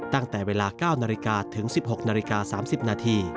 ตั้งแต่เวลา๙นถึง๑๖น๓๐น